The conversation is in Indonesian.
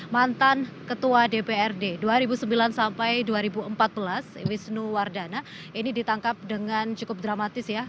mantan ketua dprd dua ribu sembilan sampai dua ribu empat belas wisnu wardana ini ditangkap dengan cukup dramatis ya